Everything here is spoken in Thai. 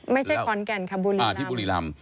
ไม่ใช่ขอนแก่นค่ะบุรีรำ